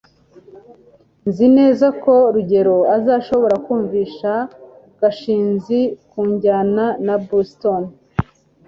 nzi neza ko rugeyo azashobora kumvisha gashinzi kujyana na boston